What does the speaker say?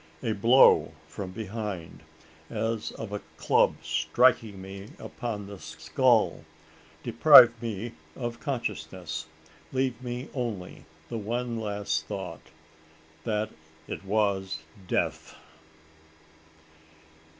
A blow from behind, as of a club striking me upon the skull, deprived me of consciousness: leaving me only the one last thought that it was death!